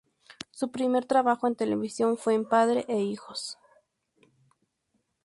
Su primer trabajo en televisión fue en Padres e Hijos.